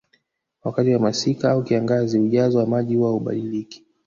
Wakati wa masika au kiangazi ujazo wa maji huwa haubadiliki